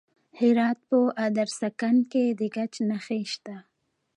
د هرات په ادرسکن کې د ګچ نښې شته.